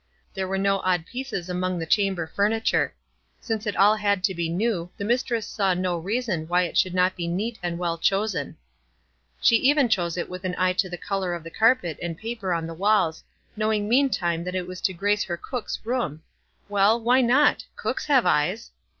There were no odd pieces among the chamber furniture. Since it all had to be new the mistress saw no reason why it should not be neat and well chosen. Sho 141 WISE AND OTHERWISE. 143 even chose it with an eye to the color of the car pet and the paper on the walls, knowing mean time that it was to grace her cook's room ! Well, why not? Cooks have eyes.